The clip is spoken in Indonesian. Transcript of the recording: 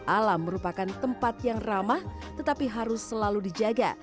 alam merupakan tempat yang ramah tetapi harus selalu dijaga